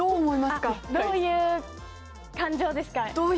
どういう感情ですか？